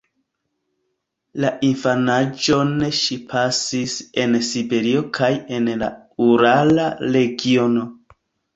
La infanaĝon ŝi pasigis en Siberio kaj en la urala regiono.